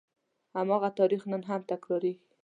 هماغه تاریخ نن هم تکرارېږي.